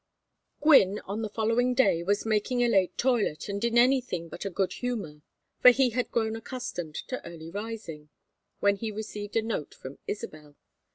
XII Gwynne, on the following day, was making a late toilet, and in anything but a good humor, for he had grown accustomed to early rising, when he received a note from Isabel.